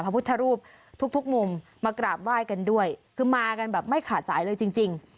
พระพุทธรูปทุกทุกมุมมากราบไหว้กันด้วยคือมากันแบบไม่ขาดสายเลยจริงจริง